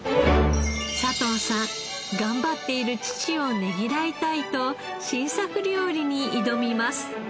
佐藤さん頑張っている父をねぎらいたいと新作料理に挑みます。